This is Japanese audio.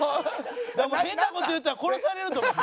変な事言ったら殺されると思ってる。